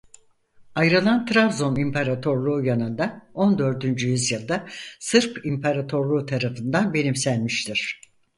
Ayrılan Trabzon İmparatorluğu yanında on dördüncü yüzyılda Sırp İmparatorluğu tarafından benimsenmiştir.